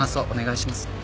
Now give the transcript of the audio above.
お願いします。